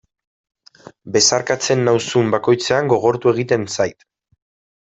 Besarkatzen nauzun bakoitzean gogortu egiten zait.